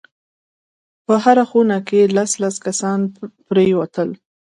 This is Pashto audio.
په هره خونه کښې لس لس کسان پرېوتل.